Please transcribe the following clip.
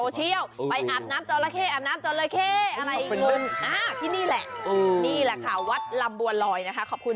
ใช่ใครเค้าอาบกัน